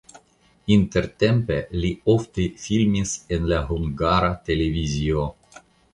Intertempe li ofte filmis en la Hungara Televizio.